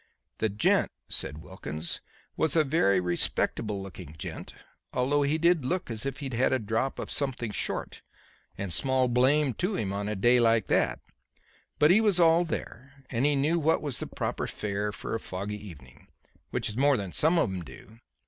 "The gent," said Wilkins, was a very respectable looking gent, though he did look as if he'd had a drop of something short, and small blame to him on a day like that. But he was all there, and he knew what was the proper fare for a foggy evening, which is more than some of 'em do.